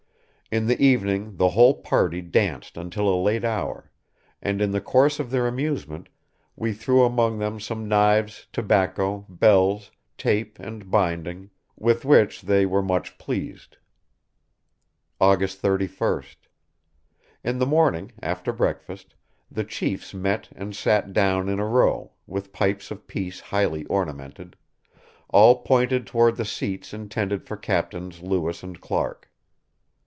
In the evening the whole party danced until a late hour, and, in the course of their amusement, we threw among them some knives, tobacco, bells, tape, and binding, with which they were much pleased.... "August 31st. In the morning, after breakfast, the chiefs met and sat down in a row, with pipes of peace highly ornamented; all pointed toward the seats intended for Captains Lewis and Clark.